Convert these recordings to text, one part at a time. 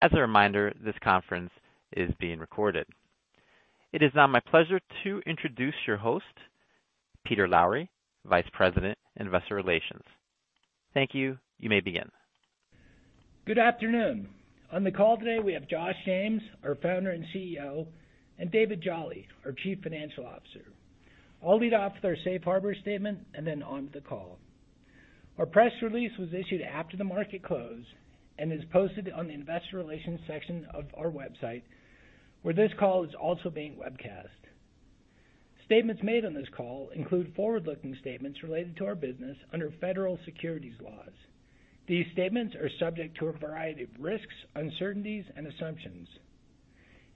...As a reminder, this conference is being recorded. It is now my pleasure to introduce your host, Peter Lowry, Vice President, Investor Relations. Thank you. You may begin. Good afternoon. On the call today, we have Josh James, our founder and CEO, and David Jolley, our Chief Financial Officer. I'll lead off with our safe harbor statement, and then on with the call. Our press release was issued after the market closed and is posted on the Investor Relations section of our website, where this call is also being webcast. Statements made on this call include forward-looking statements related to our business under federal securities laws. These statements are subject to a variety of risks, uncertainties and assumptions.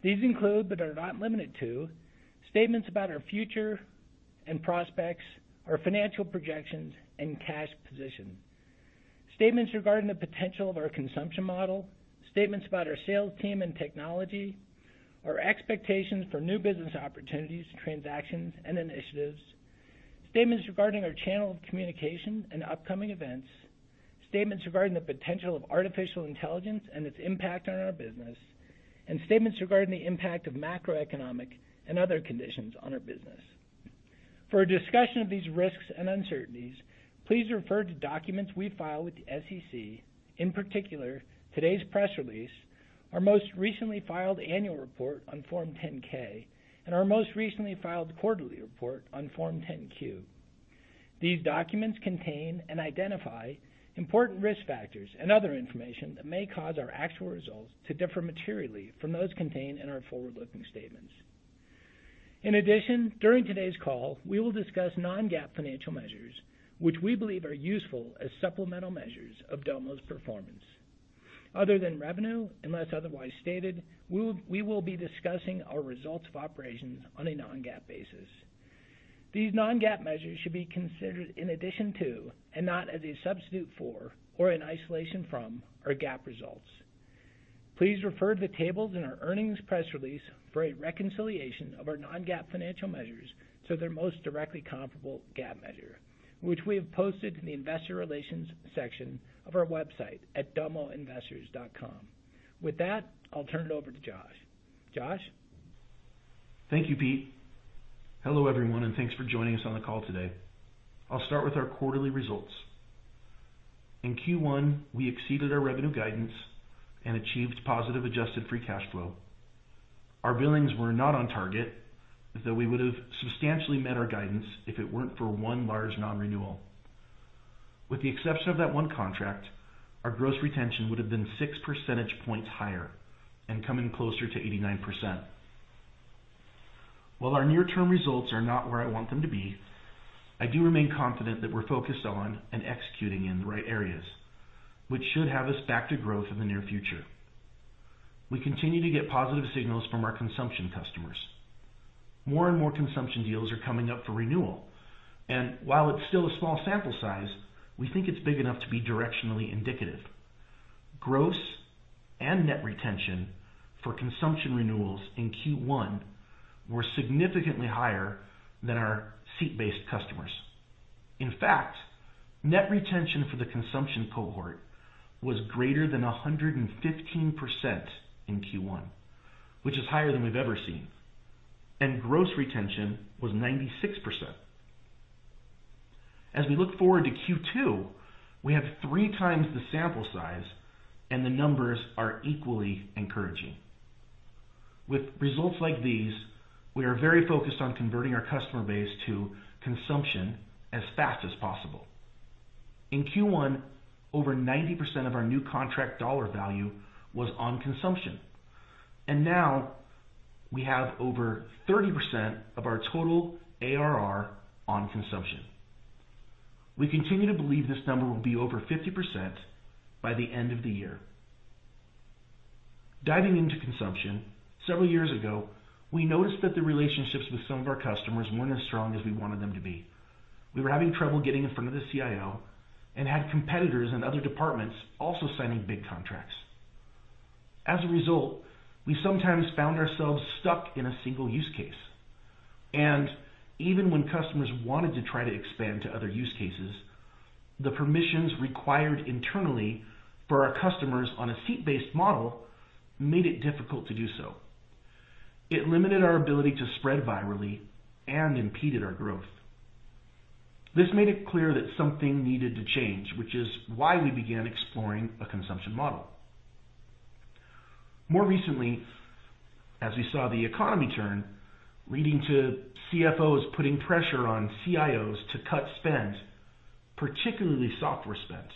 These include, but are not limited to, statements about our future and prospects, our financial projections and cash position, statements regarding the potential of our consumption model, statements about our sales team and technology, our expectations for new business opportunities, transactions and initiatives, statements regarding our channel of communication and upcoming events, statements regarding the potential of artificial intelligence and its impact on our business, and statements regarding the impact of macroeconomic and other conditions on our business. For a discussion of these risks and uncertainties, please refer to documents we file with the SEC. In particular, today's press release, our most recently filed annual report on Form 10-K, and our most recently filed quarterly report on Form 10-Q. These documents contain and identify important risk factors and other information that may cause our actual results to differ materially from those contained in our forward-looking statements. In addition, during today's call, we will discuss non-GAAP financial measures, which we believe are useful as supplemental measures of Domo's performance. Other than revenue, unless otherwise stated, we will be discussing our results of operations on a non-GAAP basis. These non-GAAP measures should be considered in addition to, and not as a substitute for, or in isolation from, our GAAP results. Please refer to the tables in our earnings press release for a reconciliation of our non-GAAP financial measures to their most directly comparable GAAP measure, which we have posted in the Investor Relations section of our website at domoinvestors.com. With that, I'll turn it over to Josh. Josh? Thank you, Pete. Hello, everyone, and thanks for joining us on the call today. I'll start with our quarterly results. In Q1, we exceeded our revenue guidance and achieved positive adjusted free cash flow. Our billings were not on target, though we would have substantially met our guidance if it weren't for one large non-renewal. With the exception of that one contract, our gross retention would have been 6 percentage points higher and coming closer to 89%. While our near-term results are not where I want them to be, I do remain confident that we're focused on and executing in the right areas, which should have us back to growth in the near future. We continue to get positive signals from our consumption customers. More and more consumption deals are coming up for renewal, and while it's still a small sample size, we think it's big enough to be directionally indicative. Gross and net retention for consumption renewals in Q1 were significantly higher than our seat-based customers. In fact, net retention for the consumption cohort was greater than 115% in Q1, which is higher than we've ever seen, and gross retention was 96%. As we look forward to Q2, we have 3x the sample size and the numbers are equally encouraging. With results like these, we are very focused on converting our customer base to consumption as fast as possible. In Q1, over 90% of our new contract dollar value was on consumption, and now we have over 30% of our total ARR on consumption. We continue to believe this number will be over 50% by the end of the year. Diving into consumption, several years ago, we noticed that the relationships with some of our customers weren't as strong as we wanted them to be. We were having trouble getting in front of the CIO and had competitors and other departments also signing big contracts. As a result, we sometimes found ourselves stuck in a single use case, and even when customers wanted to try to expand to other use cases, the permissions required internally for our customers on a seat-based model made it difficult to do so. It limited our ability to spread virally and impeded our growth. This made it clear that something needed to change, which is why we began exploring a consumption model. More recently, as we saw the economy turn, leading to CFOs putting pressure on CIOs to cut spend, particularly software spend.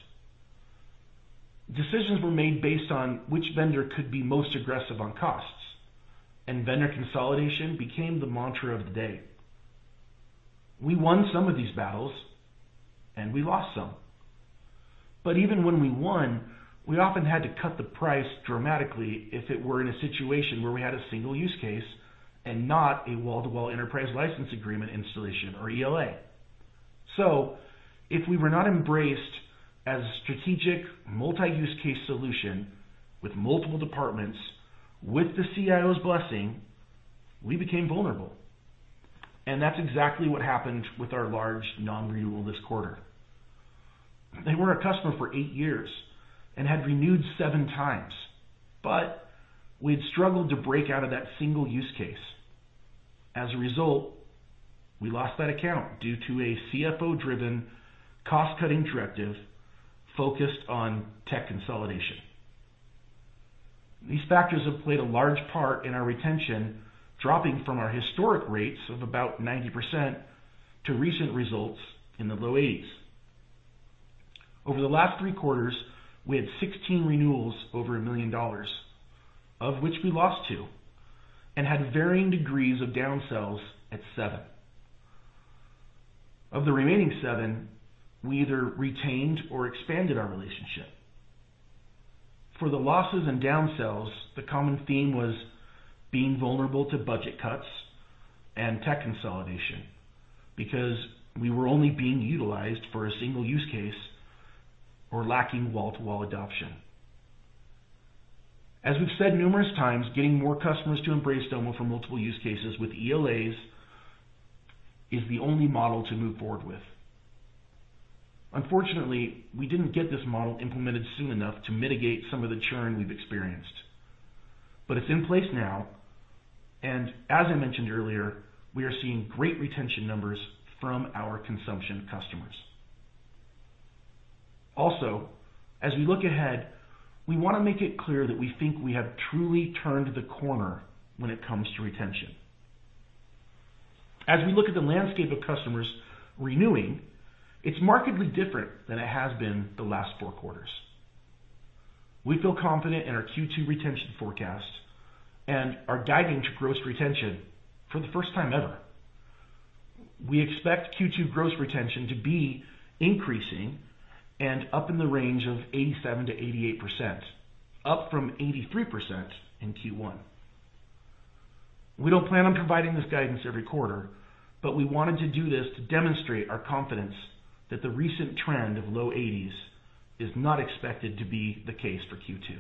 Decisions were made based on which vendor could be most aggressive on costs, and vendor consolidation became the mantra of the day. We won some of these battles, and we lost some, but even when we won, we often had to cut the price dramatically if it were in a situation where we had a single use case and not a wall-to-wall enterprise license agreement, installation or ELA. So if we were not embraced as a strategic multi-use case solution with multiple departments, with the CIO's blessing, we became vulnerable, and that's exactly what happened with our large non-renewal this quarter. They were a customer for eight years and had renewed seven times, but we'd struggled to break out of that single use case. As a result, we lost that account due to a CFO-driven cost-cutting directive focused on tech consolidation. These factors have played a large part in our retention, dropping from our historic rates of about 90% to recent results in the low 80s. Over the last three quarters, we had 16 renewals over $1 million, of which we lost two, and had varying degrees of downsells at seven. Of the remaining seven, we either retained or expanded our relationship. For the losses and downsells, the common theme was being vulnerable to budget cuts and tech consolidation because we were only being utilized for a single use case or lacking wall-to-wall adoption. As we've said numerous times, getting more customers to embrace Domo for multiple use cases with ELAs is the only model to move forward with. Unfortunately, we didn't get this model implemented soon enough to mitigate some of the churn we've experienced. But it's in place now, and as I mentioned earlier, we are seeing great retention numbers from our consumption customers. Also, as we look ahead, we want to make it clear that we think we have truly turned the corner when it comes to retention. As we look at the landscape of customers renewing, it's markedly different than it has been the last four quarters. We feel confident in our Q2 retention forecast and are guiding to gross retention for the first time ever. We expect Q2 gross retention to be increasing and up in the range of 87%-88%, up from 83% in Q1. We don't plan on providing this guidance every quarter, but we wanted to do this to demonstrate our confidence that the recent trend of low 80s is not expected to be the case for Q2.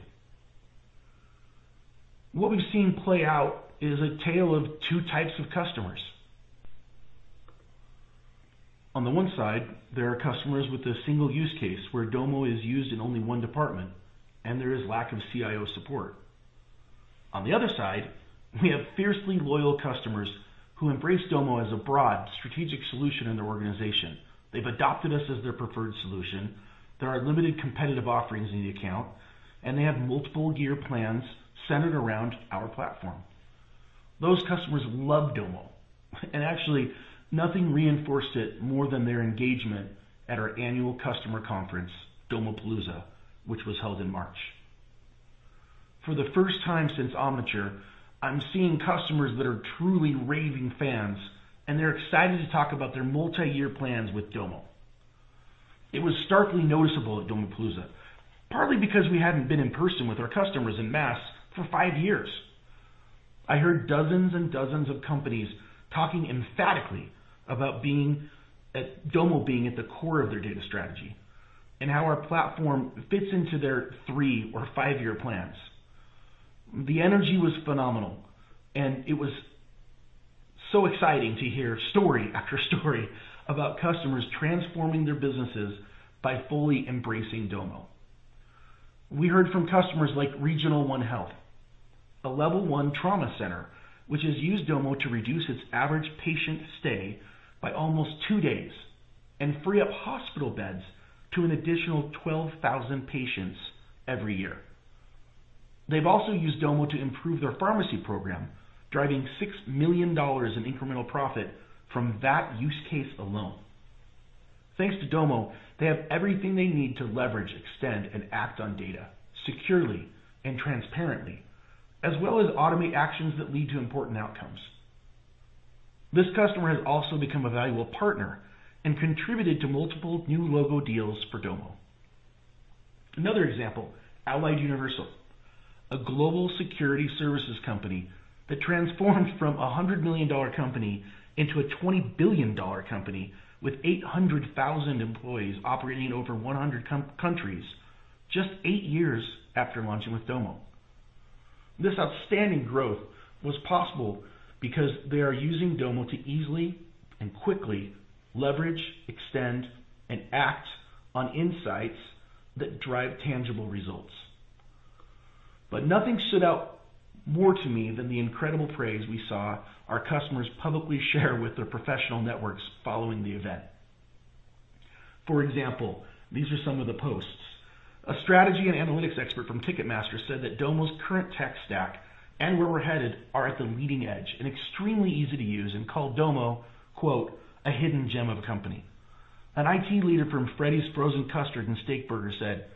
What we've seen play out is a tale of two types of customers. On the one side, there are customers with a single use case, where Domo is used in only one department, and there is lack of CIO support. On the other side, we have fiercely loyal customers who embrace Domo as a broad strategic solution in their organization. They've adopted us as their preferred solution. There are limited competitive offerings in the account, and they have multiple-year plans centered around our platform. Those customers love Domo, and actually, nothing reinforced it more than their engagement at our annual customer conference, Domopalooza, which was held in March. For the first time since Omniture, I'm seeing customers that are truly raving fans, and they're excited to talk about their multi-year plans with Domo. It was starkly noticeable at Domopalooza, partly because we hadn't been in person with our customers en masse for five years. I heard dozens and dozens of companies talking emphatically about being... Domo being at the core of their data strategy and how our platform fits into their three or five-year plans. The energy was phenomenal, and it was so exciting to hear story after story about customers transforming their businesses by fully embracing Domo. We heard from customers like Regional One Health, a level one trauma center, which has used Domo to reduce its average patient stay by almost two days and free up hospital beds to an additional 12,000 patients every year. They've also used Domo to improve their pharmacy program, driving $6 million in incremental profit from that use case alone. Thanks to Domo, they have everything they need to leverage, extend, and act on data securely and transparently, as well as automate actions that lead to important outcomes. This customer has also become a valuable partner and contributed to multiple new logo deals for Domo. Another example, Allied Universal, a global security services company that transformed from a $100 million company into a $20 billion company with 800,000 employees operating in over 100 countries just eight years after launching with Domo. This outstanding growth was possible because they are using Domo to easily and quickly leverage, extend, and act on insights that drive tangible results. But nothing stood out more to me than the incredible praise we saw our customers publicly share with their professional networks following the event. For example, these are some of the posts. A strategy and analytics expert from Ticketmaster said that Domo's current tech stack and where we're headed are at the leading edge and extremely easy to use, and called Domo, quote, "A hidden gem of a company." An IT leader from Freddy's Frozen Custard & Steakburgers said,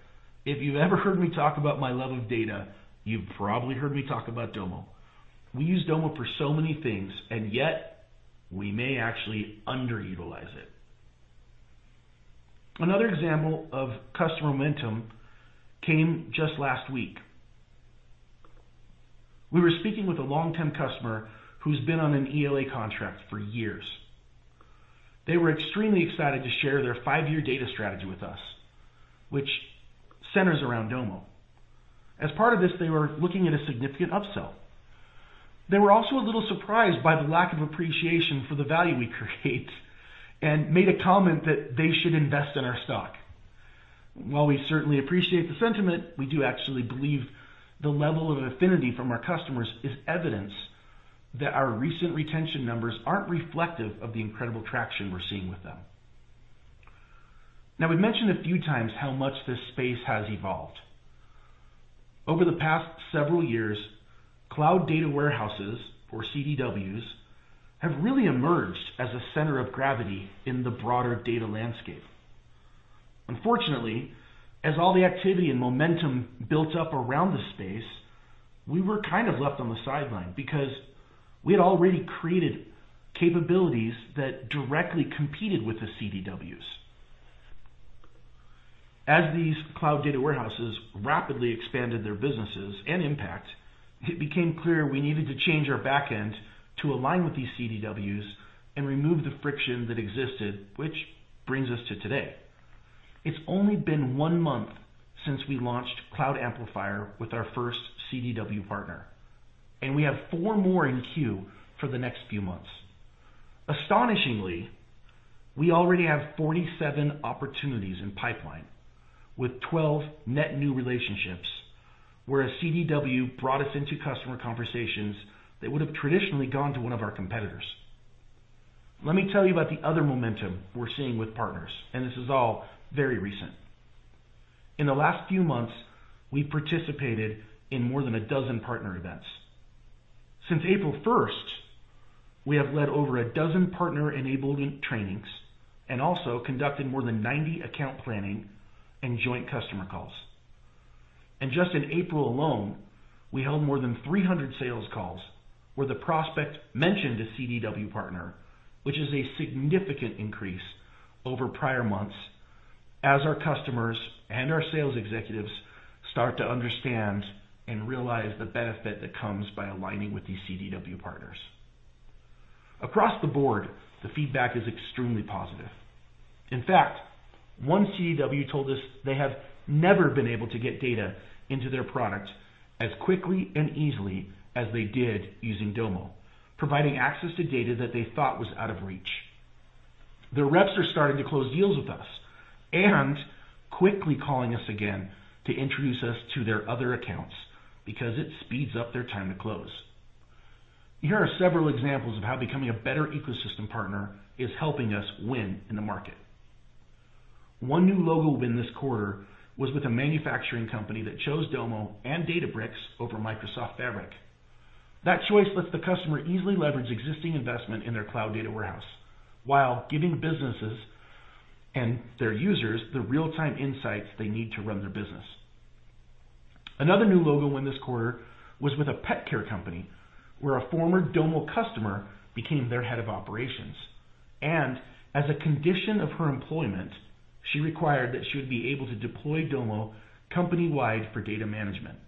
"If you've ever heard me talk about my love of data, you've probably heard me talk about Domo. We use Domo for so many things, and yet we may actually underutilize it." Another example of customer momentum came just last week. We were speaking with a long-term customer who's been on an ELA contract for years. They were extremely excited to share their five-year data strategy with us, which centers around Domo. As part of this, they were looking at a significant upsell. They were also a little surprised by the lack of appreciation for the value we create, and made a comment that they should invest in our stock. While we certainly appreciate the sentiment, we do actually believe the level of affinity from our customers is evidence that our recent retention numbers aren't reflective of the incredible traction we're seeing with them. Now, we've mentioned a few times how much this space has evolved. Over the past several years, cloud data warehouses, or CDWs, have really emerged as a center of gravity in the broader data landscape. Unfortunately, as all the activity and momentum built up around the space, we were kind of left on the sideline because we had already created capabilities that directly competed with the CDWs. As these cloud data warehouses rapidly expanded their businesses and impact, it became clear we needed to change our back end to align with these CDWs and remove the friction that existed, which brings us to today. It's only been one month since we launched Cloud Amplifier with our first CDW partner, and we have four more in queue for the next few months. Astonishingly, we already have 47 opportunities in pipeline, with 12 net new relationships, where a CDW brought us into customer conversations that would have traditionally gone to one of our competitors. Let me tell you about the other momentum we're seeing with partners, and this is all very recent. In the last few months, we participated in more than 12 partner events. Since April 1st, we have led over 12 partner-enabled trainings and also conducted more than 90 account planning and joint customer calls. Just in April alone, we held more than 300 sales calls where the prospect mentioned a CDW partner, which is a significant increase over prior months as our customers and our sales executives start to understand and realize the benefit that comes by aligning with these CDW partners. Across the board, the feedback is extremely positive. In fact, one CDW told us they have never been able to get data into their product as quickly and easily as they did using Domo, providing access to data that they thought was out of reach. Their reps are starting to close deals with us and quickly calling us again to introduce us to their other accounts because it speeds up their time to close. Here are several examples of how becoming a better ecosystem partner is helping us win in the market. One new logo win this quarter was with a manufacturing company that chose Domo and Databricks over Microsoft Fabric. That choice lets the customer easily leverage existing investment in their cloud data warehouse, while giving businesses and their users the real-time insights they need to run their business. Another new logo win this quarter was with a pet care company, where a former Domo customer became their head of operations, and as a condition of her employment, she required that she would be able to deploy Domo company-wide for data management.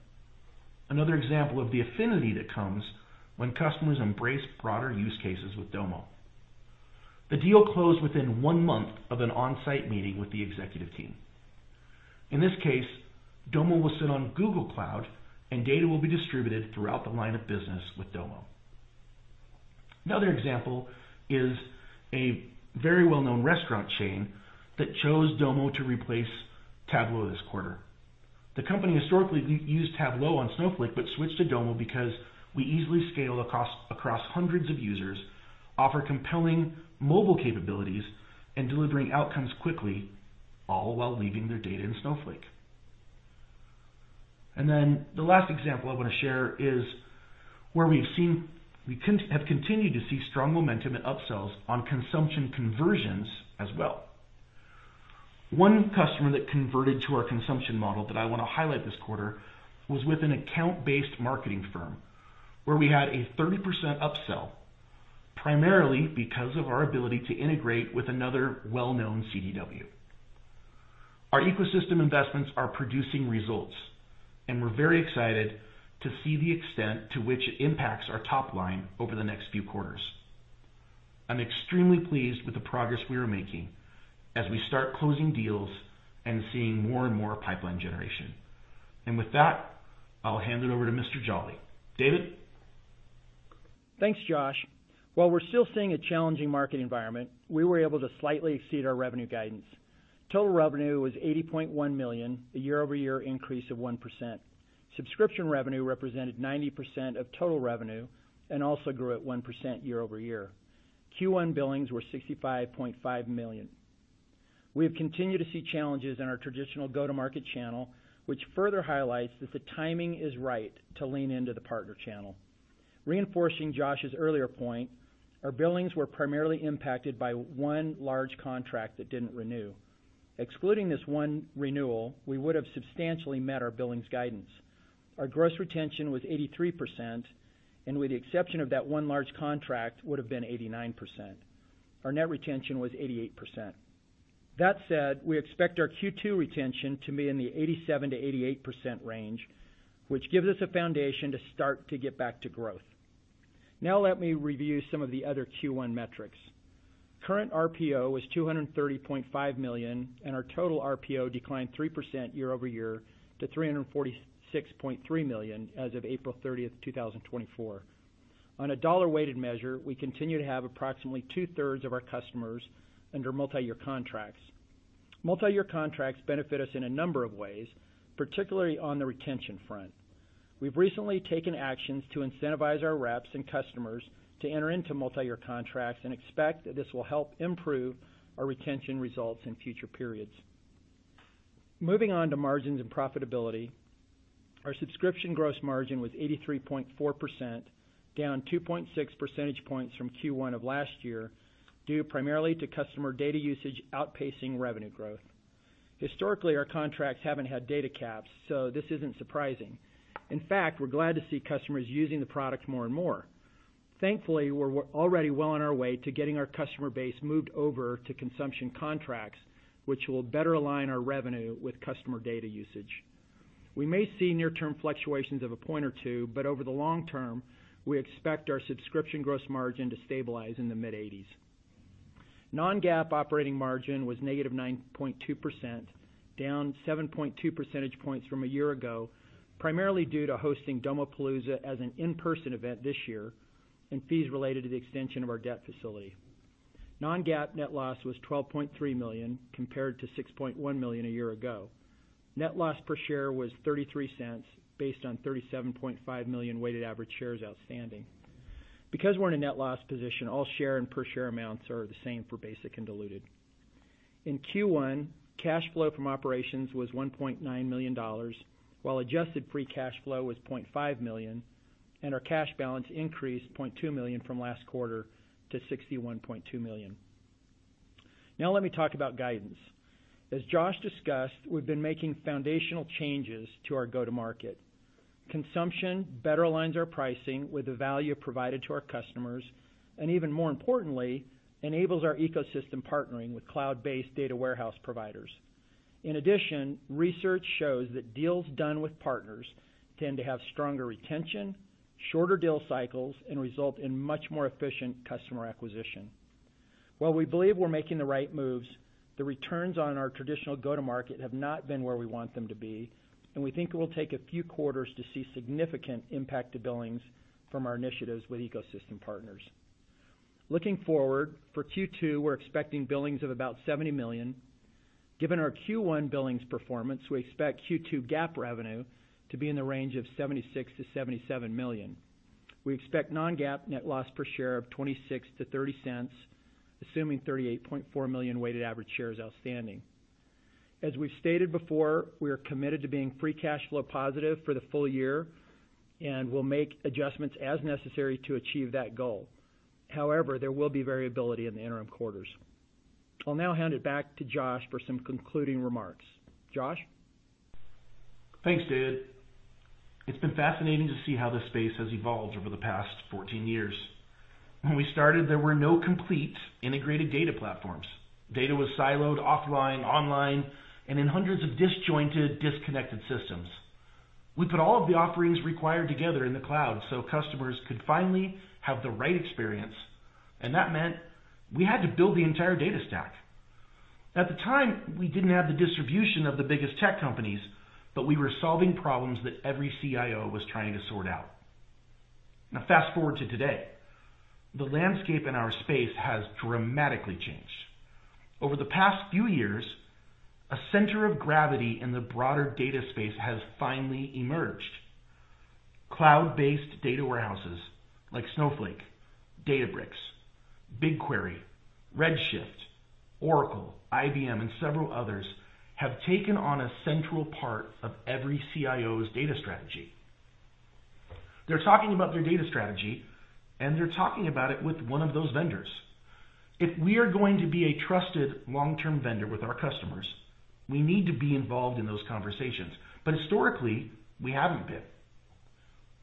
Another example of the affinity that comes when customers embrace broader use cases with Domo. The deal closed within one month of an on-site meeting with the executive team. In this case, Domo will sit on Google Cloud, and data will be distributed throughout the line of business with Domo. Another example is a very well-known restaurant chain that chose Domo to replace Tableau this quarter. The company historically used Tableau on Snowflake, but switched to Domo because we easily scale across hundreds of users, offer compelling mobile capabilities, and delivering outcomes quickly, all while leaving their data in Snowflake. Then the last example I want to share is where we have continued to see strong momentum and upsells on consumption conversions as well. One customer that converted to our consumption model that I want to highlight this quarter was with an account-based marketing firm, where we had a 30% upsell, primarily because of our ability to integrate with another well-known CDW. Our ecosystem investments are producing results, and we're very excited to see the extent to which it impacts our top line over the next few quarters. I'm extremely pleased with the progress we are making as we start closing deals and seeing more and more pipeline generation. And with that, I'll hand it over to Mr. Jolley. David? Thanks, Josh. While we're still seeing a challenging market environment, we were able to slightly exceed our revenue guidance. Total revenue was $80.1 million, a year-over-year increase of 1%. Subscription revenue represented 90% of total revenue and also grew at 1% year-over-year. Q1 billings were $65.5 million. We have continued to see challenges in our traditional go-to-market channel, which further highlights that the timing is right to lean into the partner channel. Reinforcing Josh's earlier point, our billings were primarily impacted by one large contract that didn't renew. Excluding this one renewal, we would have substantially met our billings guidance. Our gross retention was 83%, and with the exception of that one large contract, would've been 89%. Our net retention was 88%. That said, we expect our Q2 retention to be in the 87%-88% range, which gives us a foundation to start to get back to growth. Now, let me review some of the other Q1 metrics. Current RPO was $230.5 million, and our total RPO declined 3% year-over-year to $346.3 million as of April 30, 2024. On a dollar-weighted measure, we continue to have approximately two-thirds of our customers under multi-year contracts. Multi-year contracts benefit us in a number of ways, particularly on the retention front. We've recently taken actions to incentivize our reps and customers to enter into multi-year contracts and expect that this will help improve our retention results in future periods. Moving on to margins and profitability. Our subscription gross margin was 83.4%, down 2.6 percentage points from Q1 of last year, due primarily to customer data usage outpacing revenue growth. Historically, our contracts haven't had data caps, so this isn't surprising. In fact, we're glad to see customers using the product more and more. Thankfully, we're already well on our way to getting our customer base moved over to consumption contracts, which will better align our revenue with customer data usage. We may see near-term fluctuations of a point or two, but over the long term, we expect our subscription gross margin to stabilize in the mid-80s. Non-GAAP operating margin was -9.2%, down 7.2 percentage points from a year ago, primarily due to hosting Domopalooza as an in-person event this year, and fees related to the extension of our debt facility. Non-GAAP net loss was $12.3 million, compared to $6.1 million a year ago. Net loss per share was $0.33, based on 37.5 million weighted average shares outstanding. Because we're in a net loss position, all share and per share amounts are the same for basic and diluted. In Q1, cash flow from operations was $1.9 million, while adjusted free cash flow was $0.5 million, and our cash balance increased $0.2 million from last quarter to $61.2 million. Now let me talk about guidance. As Josh discussed, we've been making foundational changes to our go-to-market. Consumption better aligns our pricing with the value provided to our customers, and even more importantly, enables our ecosystem partnering with cloud-based data warehouse providers. In addition, research shows that deals done with partners tend to have stronger retention, shorter deal cycles, and result in much more efficient customer acquisition. While we believe we're making the right moves, the returns on our traditional go-to-market have not been where we want them to be, and we think it will take a few quarters to see significant impact to billings from our initiatives with ecosystem partners. Looking forward, for Q2, we're expecting billings of about $70 million. Given our Q1 billings performance, we expect Q2 GAAP revenue to be in the range of $76 million-$77 million. We expect non-GAAP net loss per share of $0.26-$0.30, assuming 38.4 million weighted average shares outstanding. As we've stated before, we are committed to being free cash flow positive for the full year, and we'll make adjustments as necessary to achieve that goal. However, there will be variability in the interim quarters. I'll now hand it back to Josh for some concluding remarks. Josh? Thanks, David. It's been fascinating to see how this space has evolved over the past 14 years. When we started, there were no complete integrated data platforms. Data was siloed, offline, online, and in hundreds of disjointed, disconnected systems. We put all of the offerings required together in the cloud so customers could finally have the right experience, and that meant we had to build the entire data stack. At the time, we didn't have the distribution of the biggest tech companies, but we were solving problems that every CIO was trying to sort out. Now, fast-forward to today, the landscape in our space has dramatically changed. Over the past few years, a center of gravity in the broader data space has finally emerged. Cloud-based data warehouses like Snowflake, Databricks, BigQuery, Redshift, Oracle, IBM, and several others, have taken on a central part of every CIO's data strategy. They're talking about their data strategy, and they're talking about it with one of those vendors. If we are going to be a trusted long-term vendor with our customers, we need to be involved in those conversations, but historically, we haven't been.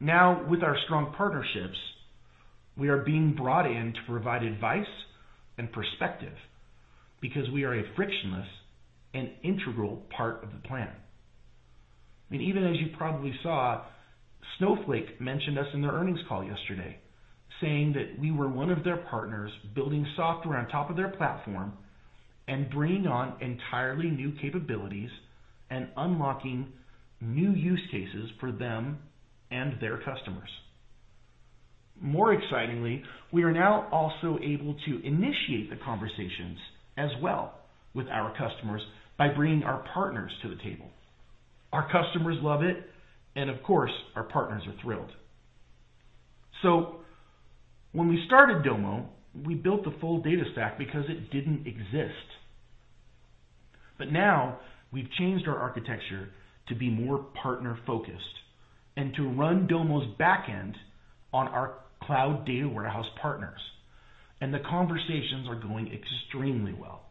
Now, with our strong partnerships, we are being brought in to provide advice and perspective because we are a frictionless and integral part of the plan. I mean, even as you probably saw, Snowflake mentioned us in their earnings call yesterday, saying that we were one of their partners building software on top of their platform and bringing on entirely new capabilities and unlocking new use cases for them and their customers. More excitingly, we are now also able to initiate the conversations as well with our customers by bringing our partners to the table. Our customers love it, and of course, our partners are thrilled. So when we started Domo, we built the full data stack because it didn't exist. But now we've changed our architecture to be more partner-focused and to run Domo's backend on our cloud data warehouse partners, and the conversations are going extremely well.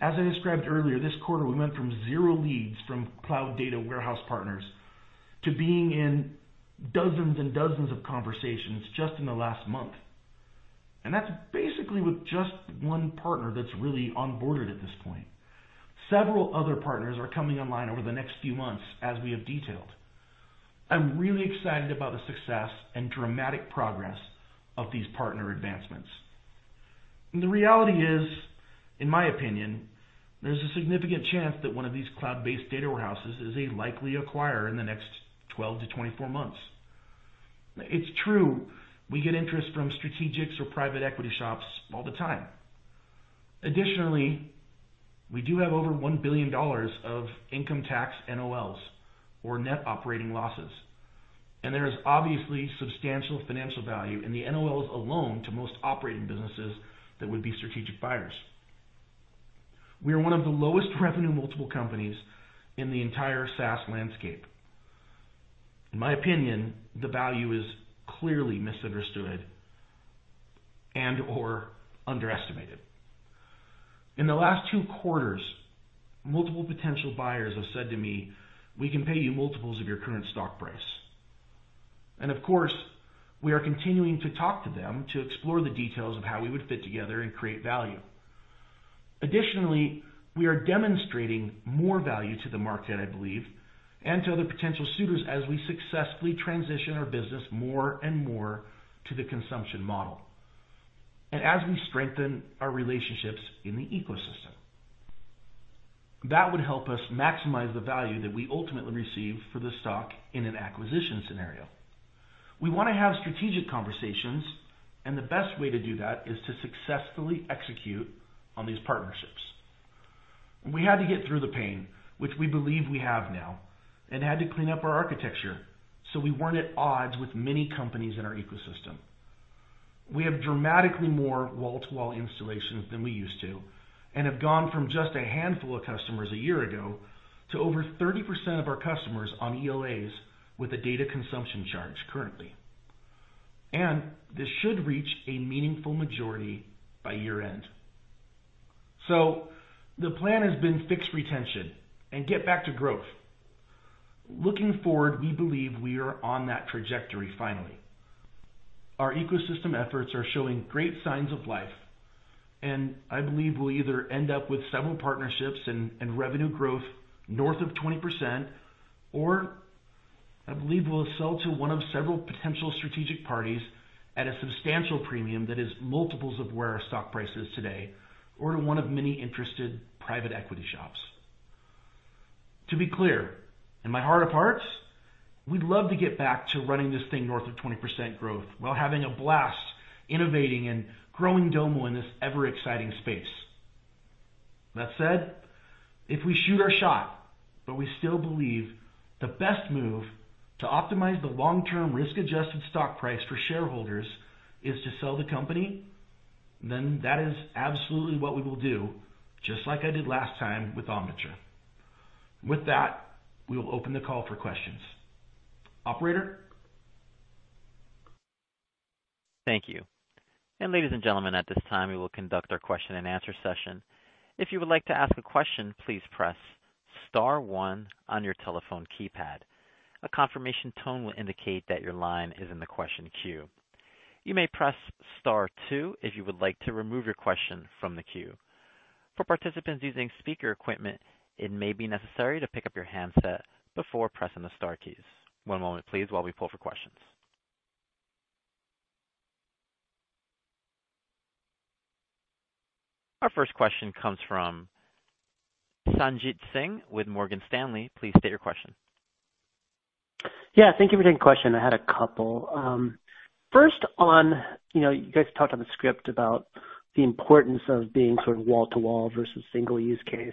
As I described earlier this quarter, we went from zero leads from cloud data warehouse partners to being in dozens and dozens of conversations just in the last month. And that's basically with just one partner that's really onboarded at this point. Several other partners are coming online over the next few months, as we have detailed. ... I'm really excited about the success and dramatic progress of these partner advancements. And the reality is, in my opinion, there's a significant chance that one of these cloud-based data warehouses is a likely acquirer in the next 12-24 months. It's true, we get interest from strategics or private equity shops all the time. Additionally, we do have over $1 billion of income tax NOLs, or net operating losses, and there is obviously substantial financial value in the NOLs alone to most operating businesses that would be strategic buyers. We are one of the lowest revenue multiple companies in the entire SaaS landscape. In my opinion, the value is clearly misunderstood and/or underestimated. In the last two quarters, multiple potential buyers have said to me, "We can pay you multiples of your current stock price." And of course, we are continuing to talk to them to explore the details of how we would fit together and create value. Additionally, we are demonstrating more value to the market, I believe, and to other potential suitors, as we successfully transition our business more and more to the consumption model, and as we strengthen our relationships in the ecosystem. That would help us maximize the value that we ultimately receive for the stock in an acquisition scenario. We want to have strategic conversations, and the best way to do that is to successfully execute on these partnerships. We had to get through the pain, which we believe we have now, and had to clean up our architecture, so we weren't at odds with many companies in our ecosystem. We have dramatically more wall-to-wall installations than we used to, and have gone from just a handful of customers a year ago to over 30% of our customers on ELAs with a data consumption charge currently. This should reach a meaningful majority by year-end. The plan has been fix retention and get back to growth. Looking forward, we believe we are on that trajectory finally. Our ecosystem efforts are showing great signs of life, and I believe we'll either end up with several partnerships and, and revenue growth north of 20%, or I believe we'll sell to one of several potential strategic parties at a substantial premium that is multiples of where our stock price is today, or to one of many interested private equity shops. To be clear, in my heart of hearts, we'd love to get back to running this thing north of 20% growth while having a blast innovating and growing Domo in this ever-exciting space. That said, if we shoot our shot, but we still believe the best move to optimize the long-term risk-adjusted stock price for shareholders is to sell the company, then that is absolutely what we will do, just like I did last time with Omniture. With that, we will open the call for questions. Operator? Thank you. Ladies and gentlemen, at this time, we will conduct our question-and-answer session. If you would like to ask a question, please press star one on your telephone keypad. A confirmation tone will indicate that your line is in the question queue. You may press star two if you would like to remove your question from the queue. For participants using speaker equipment, it may be necessary to pick up your handset before pressing the star keys. One moment, please, while we pull for questions. Our first question comes from Sanjit Singh with Morgan Stanley. Please state your question. Yeah, thank you for taking the question. I had a couple. First on, you know, you guys talked on the script about the importance of being sort of wall-to-wall versus single use case.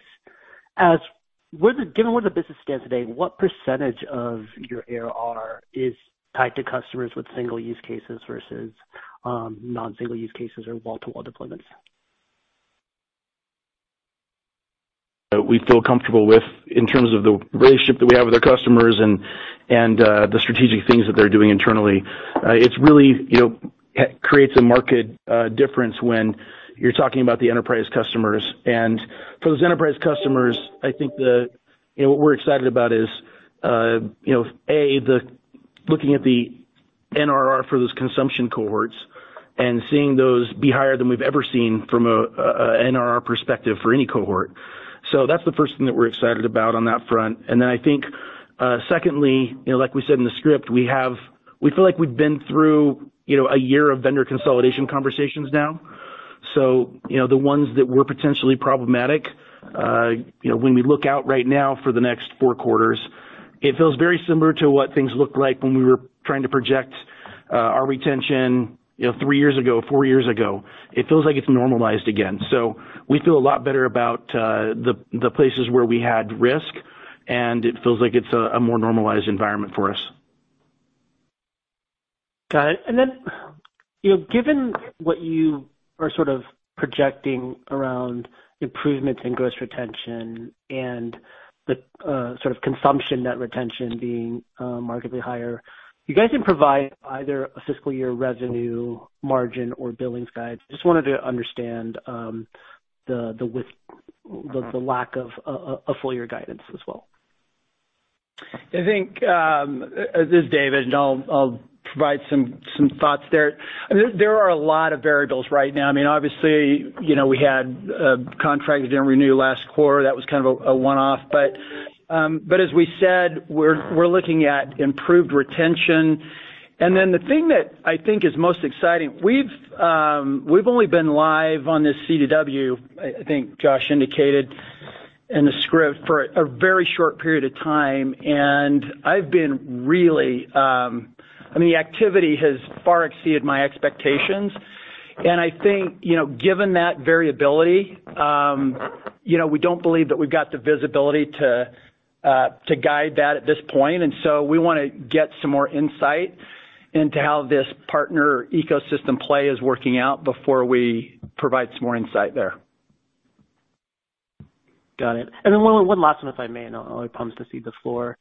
Given where the business stands today, what percentage of your ARR is tied to customers with single use cases versus non-single use cases or wall-to-wall deployments? We feel comfortable with, in terms of, the relationship that we have with our customers and the strategic things that they're doing internally. It's really, you know, creates a market difference when you're talking about the enterprise customers. And for those enterprise customers, I think the, you know, what we're excited about is, you know, A, looking at the NRR for those consumption cohorts and seeing those be higher than we've ever seen from a NRR perspective for any cohort. So that's the first thing that we're excited about on that front. And then I think, secondly, you know, like we said in the script, we feel like we've been through, you know, a year of vendor consolidation conversations now. So, you know, the ones that were potentially problematic, you know, when we look out right now for the next four quarters, it feels very similar to what things looked like when we were trying to project our retention, you know, three years ago, four years ago. It feels like it's normalized again. So we feel a lot better about the places where we had risk, and it feels like it's a more normalized environment for us. Got it. Then, you know, given what you are sort of projecting around improvements in gross retention and the sort of consumption net retention being markedly higher, you guys can provide either a fiscal year revenue margin or billings guide. Just wanted to understand the width, the lack of a full year guidance as well. I think, this is David, and I'll-... provide some thoughts there. I mean, there are a lot of variables right now. I mean, obviously, you know, we had a contract that didn't renew last quarter. That was kind of a one-off. But as we said, we're looking at improved retention. And then the thing that I think is most exciting, we've only been live on this CDW. I think Josh indicated in the script, for a very short period of time, and I've been really... I mean, the activity has far exceeded my expectations. And I think, you know, given that variability, you know, we don't believe that we've got the visibility to guide that at this point, and so we wanna get some more insight into how this partner ecosystem play is working out before we provide some more insight there. Got it. And then one last one, if I may, and I'll promise to cede the floor.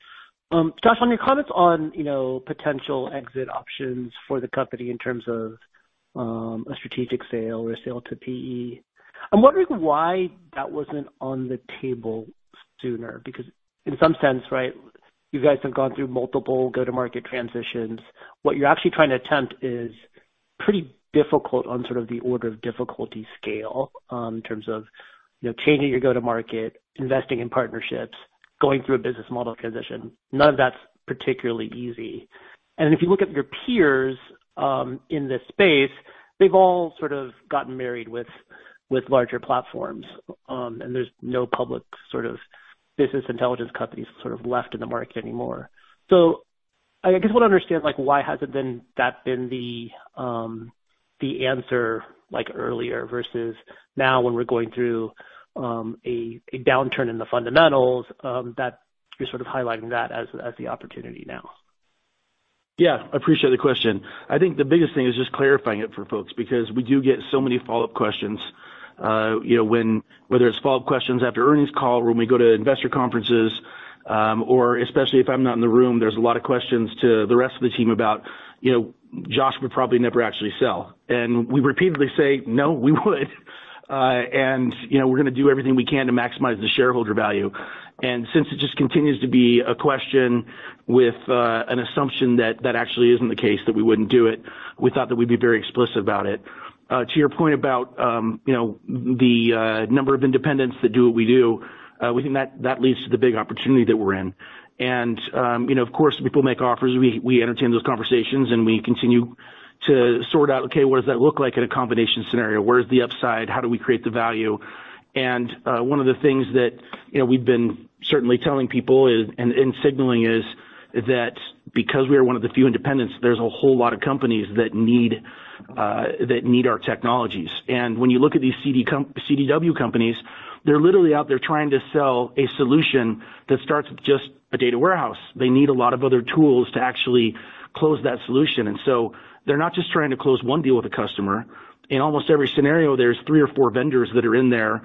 Josh, on your comments on, you know, potential exit options for the company in terms of a strategic sale or a sale to PE, I'm wondering why that wasn't on the table sooner, because in some sense, right, you guys have gone through multiple go-to-market transitions. What you're actually trying to attempt is pretty difficult on sort of the order of difficulty scale, in terms of, you know, changing your go-to-market, investing in partnerships, going through a business model transition. None of that's particularly easy. And if you look at your peers, in this space, they've all sort of gotten married with larger platforms, and there's no public sort of business intelligence companies sort of left in the market anymore. So I guess I want to understand, like, why hasn't that been the answer, like earlier, versus now when we're going through a downturn in the fundamentals, that you're sort of highlighting that as the opportunity now? Yeah, I appreciate the question. I think the biggest thing is just clarifying it for folks, because we do get so many follow-up questions, you know, whether it's follow-up questions after earnings call, when we go to investor conferences, or especially if I'm not in the room, there's a lot of questions to the rest of the team about, you know, Josh would probably never actually sell. And we repeatedly say, "No, we would." you know, we're gonna do everything we can to maximize the shareholder value. And since it just continues to be a question with, an assumption that that actually isn't the case, that we wouldn't do it, we thought that we'd be very explicit about it. To your point about, you know, the number of independents that do what we do, we think that leads to the big opportunity that we're in. And, you know, of course, people make offers. We entertain those conversations, and we continue to sort out, okay, what does that look like in a combination scenario? Where's the upside? How do we create the value? And, one of the things that, you know, we've been certainly telling people is, and signaling is, that because we are one of the few independents, there's a whole lot of companies that need that need our technologies. And when you look at these CDW companies, they're literally out there trying to sell a solution that starts with just a data warehouse. They need a lot of other tools to actually close that solution. And so they're not just trying to close one deal with a customer. In almost every scenario, there's three or four vendors that are in there,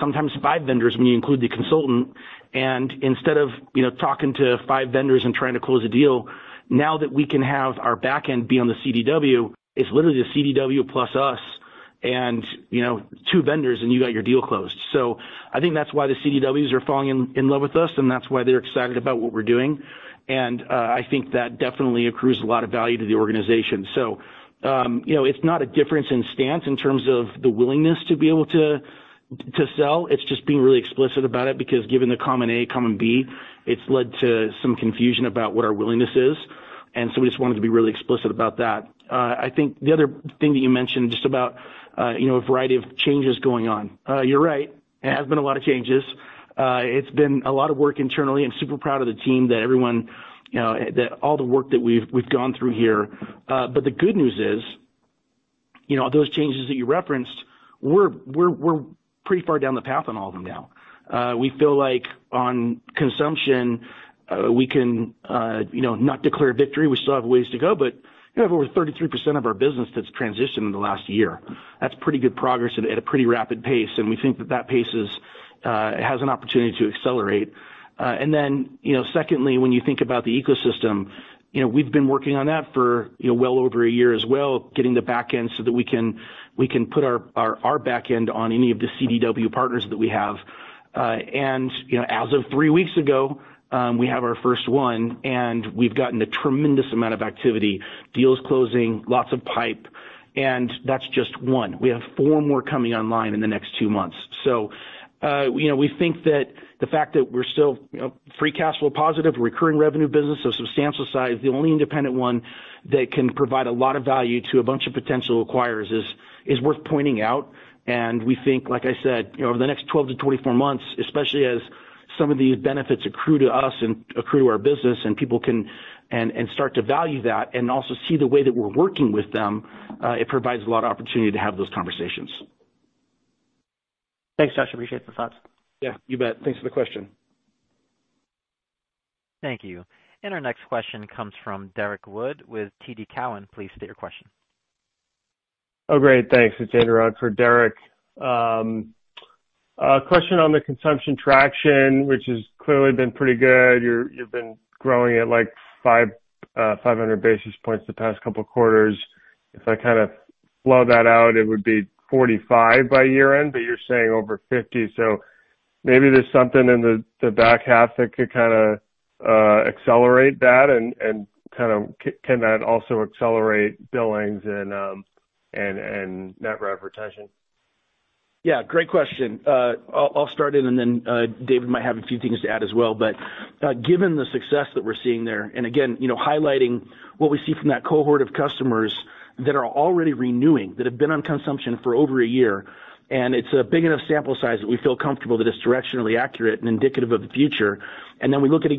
sometimes five vendors, when you include the consultant. And instead of, you know, talking to five vendors and trying to close a deal, now that we can have our back end be on the CDW, it's literally the CDW plus us and, you know, two vendors, and you got your deal closed. So I think that's why the CDWs are falling in love with us, and that's why they're excited about what we're doing. And I think that definitely accrues a lot of value to the organization. So, you know, it's not a difference in stance in terms of the willingness to be able to, to sell. It's just being really explicit about it, because given the common A, common B, it's led to some confusion about what our willingness is, and so we just wanted to be really explicit about that. I think the other thing that you mentioned, just about, you know, a variety of changes going on. You're right, it has been a lot of changes. It's been a lot of work internally, and super proud of the team, that everyone, that all the work that we've gone through here. But the good news is, you know, those changes that you referenced, we're pretty far down the path on all of them now. We feel like on consumption, we can, you know, not declare victory. We still have a ways to go, but we have over 33% of our business that's transitioned in the last year. That's pretty good progress at a pretty rapid pace, and we think that that pace is, has an opportunity to accelerate. And then, you know, secondly, when you think about the ecosystem, you know, we've been working on that for, you know, well over a year as well, getting the back end so that we can, we can put our, our, our back end on any of the CDW partners that we have. And, you know, as of three weeks ago, we have our first one, and we've gotten a tremendous amount of activity, deals closing, lots of pipe, and that's just one. We have four more coming online in the next two months. So, you know, we think that the fact that we're still, you know, free cash flow positive, recurring revenue business, a substantial size, the only independent one that can provide a lot of value to a bunch of potential acquirers is, is worth pointing out. And we think, like I said, you know, over the next 12-24 months, especially as some of these benefits accrue to us and accrue to our business, and people can... and, and start to value that and also see the way that we're working with them, it provides a lot of opportunity to have those conversations. Thanks, Josh. Appreciate the thoughts. Yeah, you bet. Thanks for the question. Thank you. Our next question comes from Derek Wood with TD Cowen. Please state your question. Oh, great. Thanks. It's Andrew for Derek. Question on the consumption traction, which has clearly been pretty good. You've been growing at, like, 500 basis points the past couple of quarters. If I kind of flow that out, it would be 45 by year-end, but you're saying over 50. Maybe there's something in the back half that could kind of accelerate that and kind of can that also accelerate billings and net revenue retention? Yeah, great question. I'll start in, and then David might have a few things to add as well. But given the success that we're seeing there, and again, you know, highlighting what we see from that cohort of customers that are already renewing, that have been on consumption for over a year, and it's a big enough sample size that we feel comfortable that it's directionally accurate and indicative of the future. And then we look at it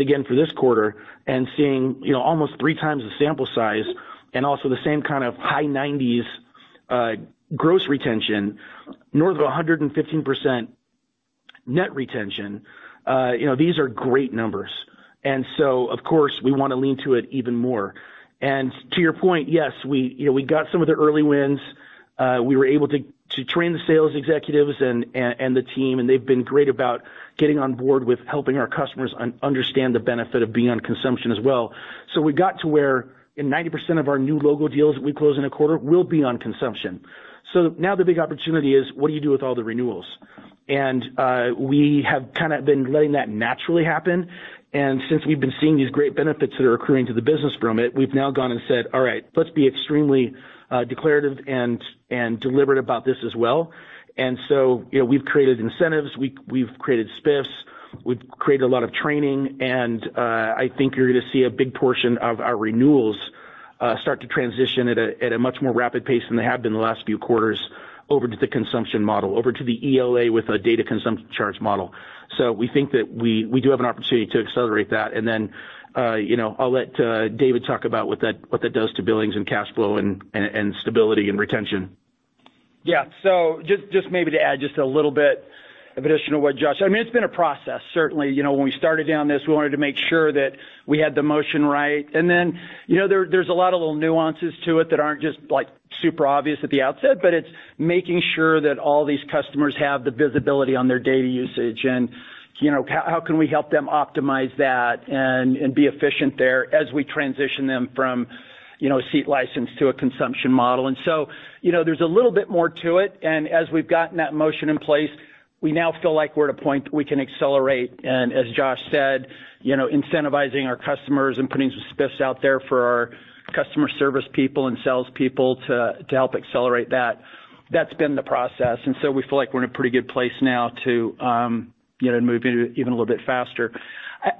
again for this quarter and seeing, you know, almost three times the sample size and also the same kind of high 90s gross retention, north of 115% net retention, you know, these are great numbers. And so, of course, we wanna lean to it even more. And to your point, yes, we, you know, we got some of the early wins. We were able to train the sales executives and the team, and they've been great about getting on board with helping our customers understand the benefit of being on consumption as well. So we got to where in 90% of our new logo deals we close in a quarter will be on consumption. So now the big opportunity is: What do you do with all the renewals? We have kind of been letting that naturally happen. Since we've been seeing these great benefits that are accruing to the business from it, we've now gone and said, "All right, let's be extremely declarative and deliberate about this as well." So, you know, we've created incentives, we've created spiffs, we've created a lot of training, and I think you're gonna see a big portion of our renewals start to transition at a much more rapid pace than they have been in the last few quarters over to the consumption model, over to the ELA with a data consumption charge model. So we think that we do have an opportunity to accelerate that. Then, you know, I'll let David talk about what that does to billings and cash flow and stability and retention. Yeah. So just maybe to add just a little bit of addition to what Josh... I mean, it's been a process, certainly. You know, when we started down this, we wanted to make sure that we had the motion right. And then, you know, there's a lot of little nuances to it that aren't just, like, super obvious at the outset, but it's making sure that all these customers have the visibility on their data usage. And, you know, how can we help them optimize that and be efficient there as we transition them from, you know, a seat license to a consumption model? And so, you know, there's a little bit more to it, and as we've gotten that motion in place, we now feel like we're at a point that we can accelerate, and as Josh said, you know, incentivizing our customers and putting some spiffs out there for our customer service people and salespeople to help accelerate that. That's been the process, and so we feel like we're in a pretty good place now to, you know, move even a little bit faster.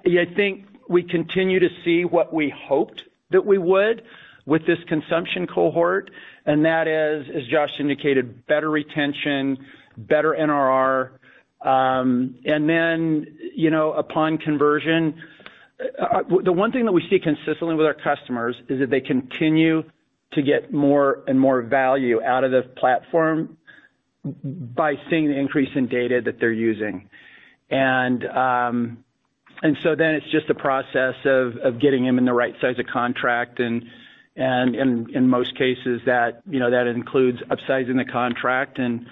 Yeah, I think we continue to see what we hoped that we would with this consumption cohort, and that is, as Josh indicated, better retention, better NRR. And then, you know, upon conversion, the one thing that we see consistently with our customers is that they continue to get more and more value out of the platform by seeing the increase in data that they're using. And so then it's just a process of getting them in the right size of contract and, in most cases, that, you know, that includes upsizing the contract and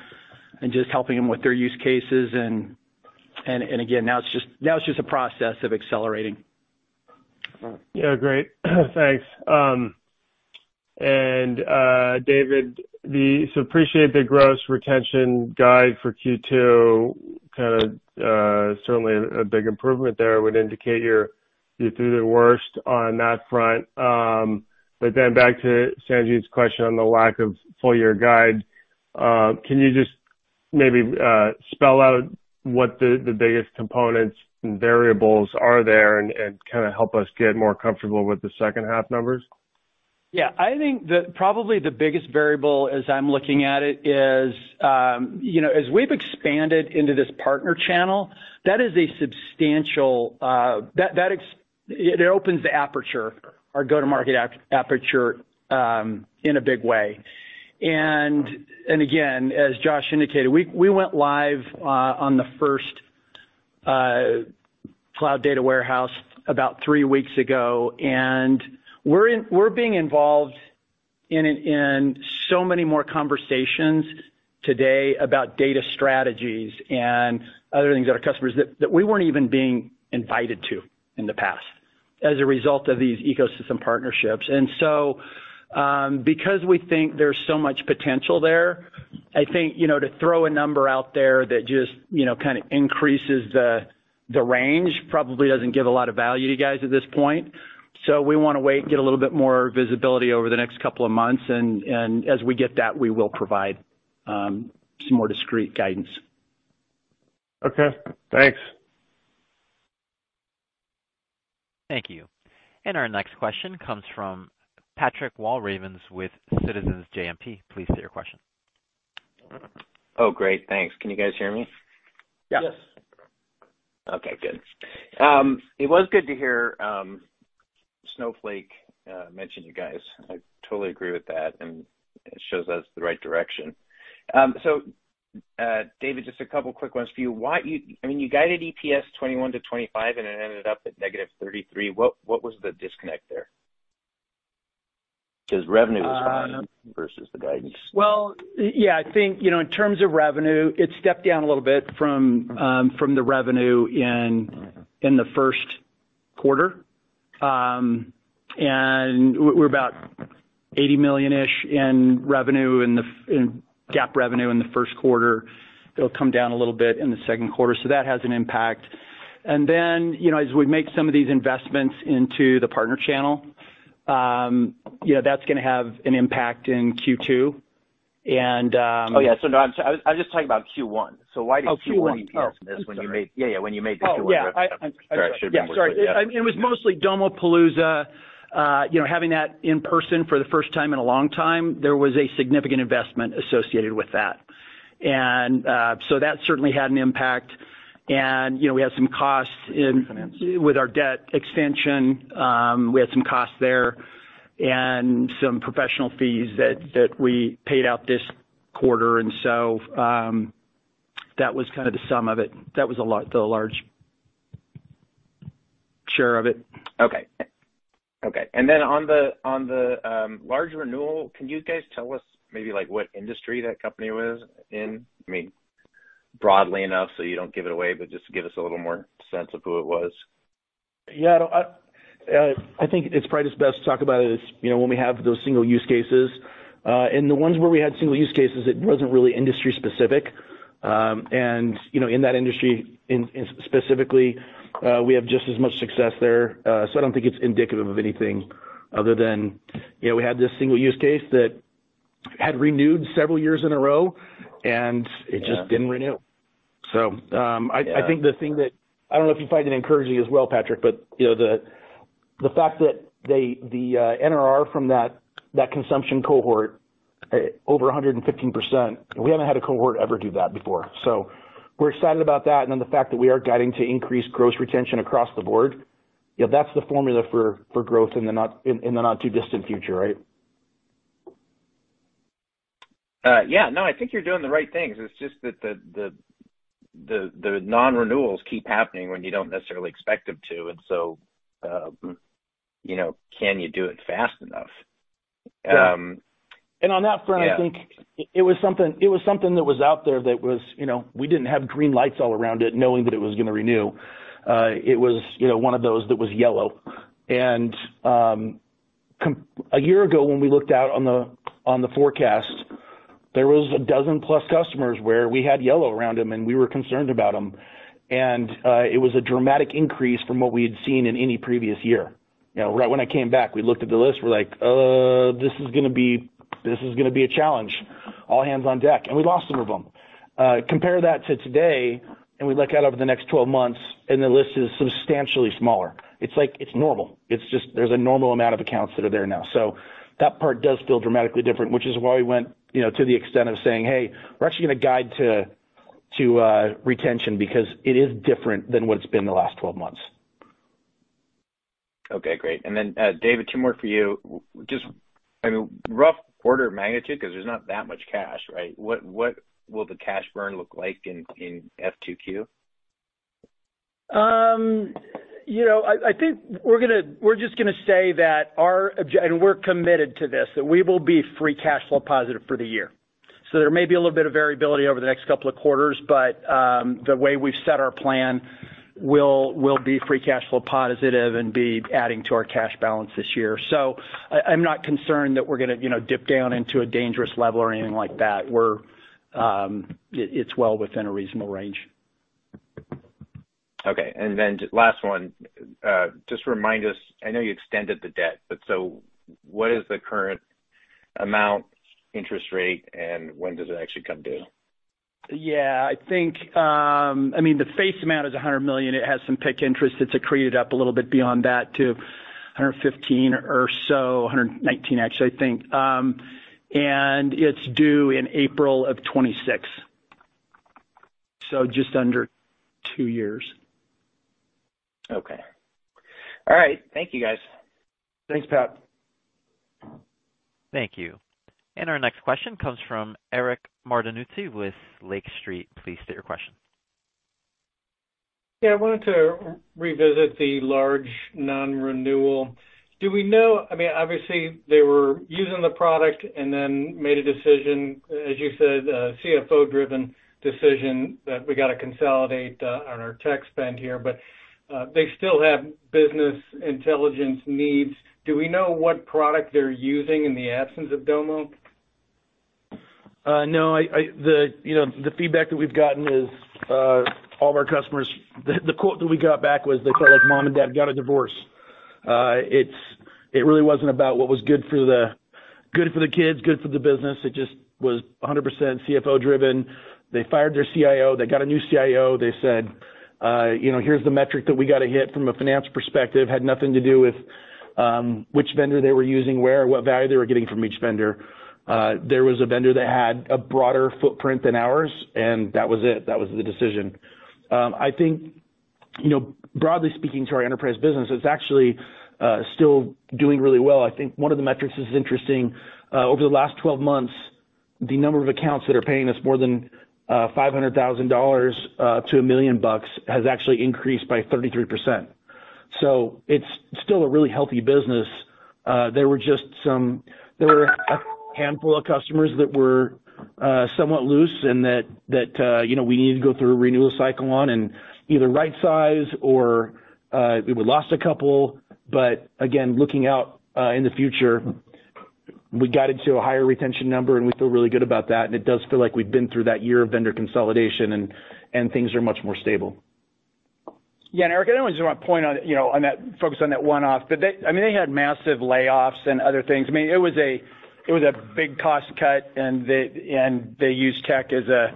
just helping them with their use cases. And again, now it's just a process of accelerating. Yeah, great. Thanks. And, David, so appreciate the gross retention guide for Q2, kind of, certainly a big improvement there would indicate you're through the worst on that front. But then back to Sanjit's question on the lack of full year guide, can you just maybe spell out what the biggest components and variables are there and kind of help us get more comfortable with the second half numbers? Yeah. I think probably the biggest variable as I'm looking at it is, you know, as we've expanded into this partner channel, that is a substantial. That, it opens the aperture, our go-to-market aperture, in a big way. And, again, as Josh indicated, we went live on the first cloud data warehouse about three weeks ago, and we're being involved in so many more conversations today about data strategies and other things that our customers, that we weren't even being invited to in the past as a result of these ecosystem partnerships. Because we think there's so much potential there, I think, you know, to throw a number out there that just, you know, kind of increases the range, probably doesn't give a lot of value to you guys at this point. So we wanna wait and get a little bit more visibility over the next couple of months, and as we get that, we will provide some more discrete guidance. Okay, thanks. Thank you. Our next question comes from Patrick Walravens with Citizens JMP. Please state your question. Oh, great, thanks. Can you guys hear me? Yeah. Yes. Okay, good. It was good to hear Snowflake mention you guys. I totally agree with that, and it shows us the right direction. So, David, just a couple quick ones for you. I mean, you guided EPS 21-25, and it ended up at -33. What was the disconnect there? Because revenue was high versus the guidance. Well, yeah, I think, you know, in terms of revenue, it stepped down a little bit from the revenue in- Uh-huh in the first quarter. And we're about $80 million-ish in revenue in GAAP revenue in the first quarter. It'll come down a little bit in the second quarter, so that has an impact. And then, you know, as we make some of these investments into the partner channel, you know, that's gonna have an impact in Q2, and, Oh, yeah, so no, I'm sorry. I was just talking about Q1. Oh, Q1. Why did Q1 EPS miss when you made- I'm sorry. Yeah, yeah, when you made the Q1- Oh, yeah, I- Sorry, I should have been more clear. Yeah, sorry. It was mostly Domopalooza, you know, having that in person for the first time in a long time, there was a significant investment associated with that. And, so that certainly had an impact. And, you know, we had some costs in- Finance. With our debt extension, we had some costs there and some professional fees that we paid out this quarter. And so, that was kind of the sum of it. That was a lot, the large share of it. Okay. Okay, and then on the large renewal, can you guys tell us maybe, like, what industry that company was in? I mean, broadly enough, so you don't give it away, but just to give us a little more sense of who it was. Yeah, I don't... I think it's probably just best to talk about it as, you know, when we have those single use cases. And the ones where we had single use cases, it wasn't really industry specific. And, you know, in that industry, specifically, we have just as much success there. So I don't think it's indicative of anything other than, you know, we had this single use case that had renewed several years in a row, and it just didn't renew. Yeah. So, I think the thing that... I don't know if you find it encouraging as well, Patrick, but, you know, the fact that they, the NRR from that consumption cohort, over 115%, we haven't had a cohort ever do that before. So we're excited about that, and then the fact that we are guiding to increase gross retention across the board, you know, that's the formula for growth in the not too distant future, right? Yeah. No, I think you're doing the right things. It's just that the non-renewals keep happening when you don't necessarily expect them to, and so, you know, can you do it fast enough? Yeah. And on that front- Yeah... I think it was something, it was something that was out there that was, you know, we didn't have green lights all around it, knowing that it was gonna renew. It was, you know, one of those that was yellow. And a year ago, when we looked out on the, on the forecast, there was a 12+ customers where we had yellow around them, and we were concerned about them. And it was a dramatic increase from what we had seen in any previous year. You know, right when I came back, we looked at the list, we're like, "This is gonna be, this is gonna be a challenge. All hands on deck." And we lost some of them. Compare that to today, and we look out over the next 12 months, and the list is substantially smaller. It's like, it's normal. It's just, there's a normal amount of accounts that are there now. So that part does feel dramatically different, which is why we went, you know, to the extent of saying, "Hey, we're actually gonna guide to retention," because it is different than what it's been the last 12 months. Okay, great. And then, David, two more for you. Just, I mean, rough order of magnitude, because there's not that much cash, right? What will the cash burn look like in F2Q? You know, I think we're gonna – we're just gonna say that and we're committed to this, that we will be free cash flow positive for the year. So there may be a little bit of variability over the next couple of quarters, but the way we've set our plan, we'll be free cash flow positive and be adding to our cash balance this year. So I'm not concerned that we're gonna, you know, dip down into a dangerous level or anything like that. We're, it's well within a reasonable range. Okay, and then last one. Just remind us, I know you extended the debt, but so what is the current amount, interest rate, and when does it actually come due? Yeah, I think, I mean, the face amount is $100 million. It has some PIK interest that's accreted up a little bit beyond that to $115 million or so, $119 million, actually, I think. And it's due in April of 2026. So just under two years. Okay. All right. Thank you, guys. Thanks, Pat. Thank you. Our next question comes from Eric Martinuzzi with Lake Street. Please state your question. Yeah, I wanted to revisit the large non-renewal. Do we know? I mean, obviously, they were using the product and then made a decision, as you said, a CFO-driven decision, that we got to consolidate on our tech spend here, but they still have business intelligence needs. Do we know what product they're using in the absence of Domo? No, you know, the feedback that we've gotten is all of our customers, the quote that we got back was: They felt like mom and dad got a divorce. It's really wasn't about what was good for the kids, good for the business. It just was 100% CFO-driven. They fired their CIO. They got a new CIO. They said, you know, "Here's the metric that we got to hit from a finance perspective." Had nothing to do with which vendor they were using, what value they were getting from each vendor. There was a vendor that had a broader footprint than ours, and that was it. That was the decision. I think, you know, broadly speaking, to our enterprise business, it's actually still doing really well. I think one of the metrics that's interesting, over the last 12 months, the number of accounts that are paying us more than $500,000 to $1 million has actually increased by 33%. So it's still a really healthy business. There were just a handful of customers that were somewhat loose and that, you know, we needed to go through a renewal cycle on and either right size or we lost a couple. But again, looking out in the future, we got into a higher retention number, and we feel really good about that, and it does feel like we've been through that year of vendor consolidation, and things are much more stable. Yeah, and Eric, I just want to point on, you know, on that, focus on that one-off. But they—I mean, they had massive layoffs and other things. I mean, it was a, it was a big cost cut, and they, and they used tech as a,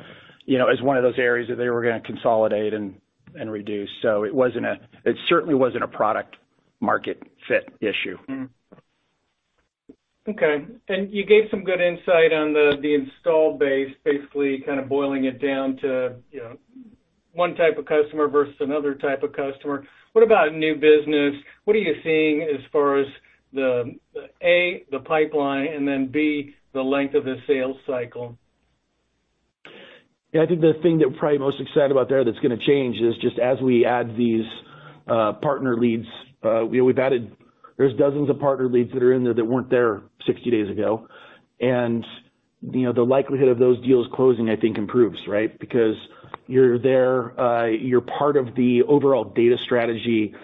you know, as one of those areas that they were gonna consolidate and, and reduce. So it wasn't a—it certainly wasn't a product-market fit issue. Mm-hmm. Okay, and you gave some good insight on the install base, basically kind of boiling it down to, you know, one type of customer versus another type of customer. What about new business? What are you seeing as far as the, a, the pipeline and then, b, the length of the sales cycle? Yeah, I think the thing that we're probably most excited about there that's gonna change is just as we add these partner leads, you know, we've added... There's dozens of partner leads that are in there that weren't there 60 days ago. And, you know, the likelihood of those deals closing, I think, improves, right? Because you're there, you're part of the overall data strategy,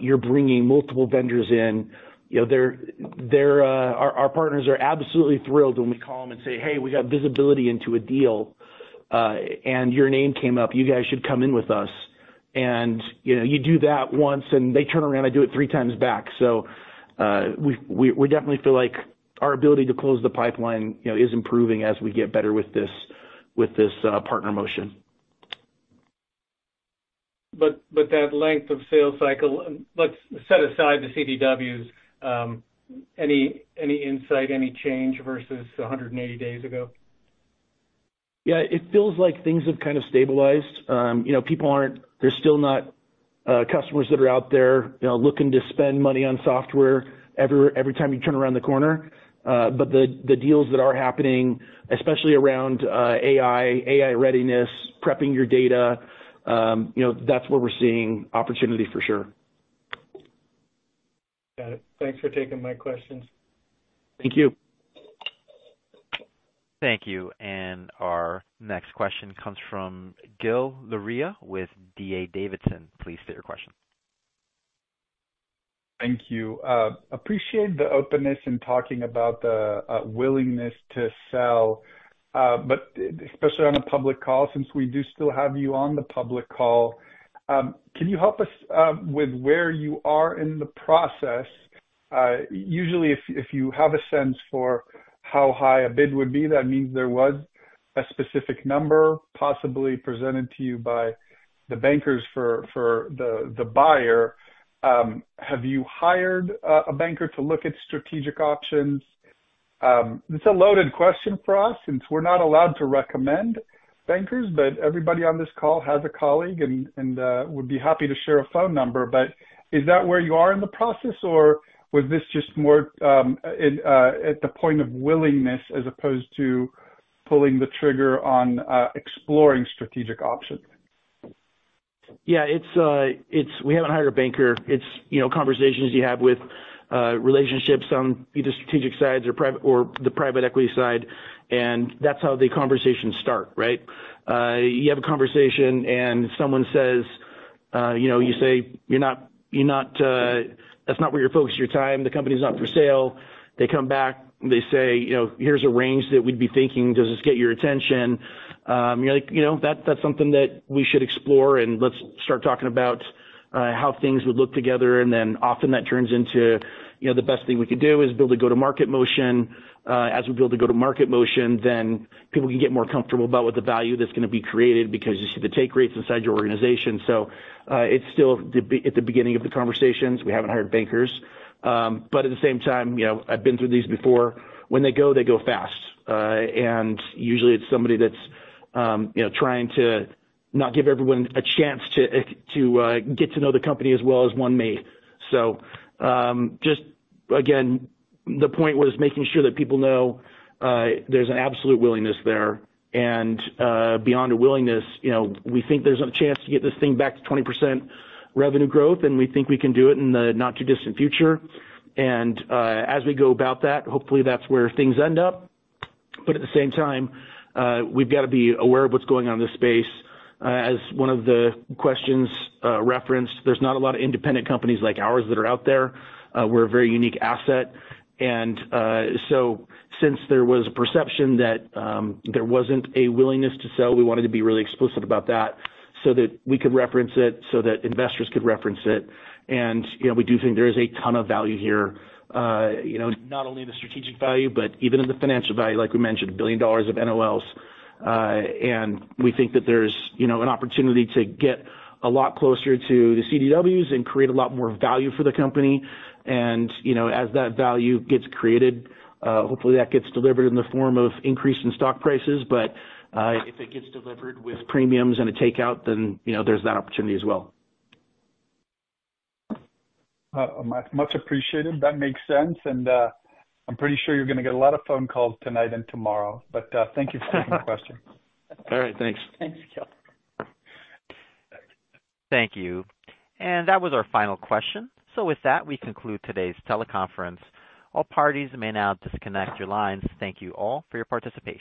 you're bringing multiple vendors in. You know, our partners are absolutely thrilled when we call them and say, "Hey, we got visibility into a deal, and your name came up. You guys should come in with us." And, you know, you do that once, and they turn around and do it three times back. We definitely feel like our ability to close the pipeline, you know, is improving as we get better with this partner motion. But that length of sales cycle, let's set aside the CDWs. Any insight, any change versus 180 days ago? Yeah, it feels like things have kind of stabilized. You know, there's still not customers that are out there, you know, looking to spend money on software every, every time you turn around the corner. But the, the deals that are happening, especially around AI, AI readiness, prepping your data, you know, that's where we're seeing opportunity for sure. Got it. Thanks for taking my questions. Thank you. Thank you. Our next question comes from Gil Luria with D.A. Davidson. Please state your question. Thank you. Appreciate the openness in talking about the willingness to sell, but especially on a public call, since we do still have you on the public call, can you help us with where you are in the process? Usually, if you have a sense for how high a bid would be, that means there was a specific number possibly presented to you by the bankers for the buyer. Have you hired a banker to look at strategic options? It's a loaded question for us, since we're not allowed to recommend bankers, but everybody on this call has a colleague and would be happy to share a phone number. But is that where you are in the process, or was this just more, at the point of willingness as opposed to pulling the trigger on, exploring strategic options? Yeah, it's we haven't hired a banker. It's, you know, conversations you have with relationships on either strategic sides or the private equity side, and that's how the conversations start, right? You have a conversation, and someone says, you know, you say, "You're not, that's not where you're focusing your time. The company's not for sale." They come back, they say, you know, "Here's a range that we'd be thinking, does this get your attention?" You're like, "You know, that's something that we should explore, and let's start talking about how things would look together." And then often that turns into, you know, the best thing we could do is build a go-to-market motion. As we build a go-to-market motion, then people can get more comfortable about what the value that's gonna be created because you see the take rates inside your organization. So, it's still at the beginning of the conversations. We haven't hired bankers. But at the same time, you know, I've been through these before. When they go, they go fast. And usually it's somebody that's, you know, trying to not give everyone a chance to get to know the company as well as one may. So, just again, the point was making sure that people know there's an absolute willingness there. And, beyond a willingness, you know, we think there's a chance to get this thing back to 20% revenue growth, and we think we can do it in the not-too-distant future. As we go about that, hopefully, that's where things end up. But at the same time, we've got to be aware of what's going on in this space. As one of the questions referenced, there's not a lot of independent companies like ours that are out there. We're a very unique asset. And, so since there was a perception that there wasn't a willingness to sell, we wanted to be really explicit about that so that we could reference it, so that investors could reference it. And, you know, we do think there is a ton of value here, you know, not only the strategic value, but even in the financial value, like we mentioned, $1 billion of NOLs. We think that there's, you know, an opportunity to get a lot closer to the CDWs and create a lot more value for the company. As that value gets created, hopefully, that gets delivered in the form of increase in stock prices. If it gets delivered with premiums and a takeout, then, you know, there's that opportunity as well. Much appreciated. That makes sense, and I'm pretty sure you're gonna get a lot of phone calls tonight and tomorrow, but thank you for taking the question. All right. Thanks. Thanks, Gil. Thank you. That was our final question. With that, we conclude today's teleconference. All parties may now disconnect your lines. Thank you all for your participation.